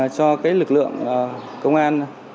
cho cái lực lượng công an